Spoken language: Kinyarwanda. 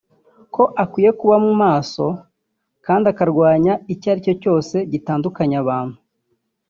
ko akwiye kuba maso kandi akarwanya icyo ari cyo cyose gitandukanya abantu